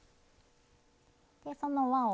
でその輪を。